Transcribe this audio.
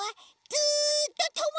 ずっとも！